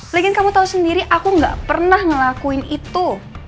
lagian kamu tau sendiri aku gak pernah ngelakuin itu